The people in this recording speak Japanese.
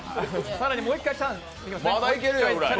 更にもう１回チャレンジできます。